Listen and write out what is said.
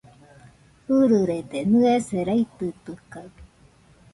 ɨrɨrede, nɨese raitɨtɨkaɨ